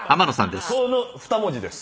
その二文字です。